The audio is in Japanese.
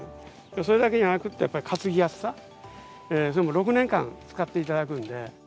それだけじゃなくて、やっぱり担ぎやすさ、それも６年間使っていただくんで。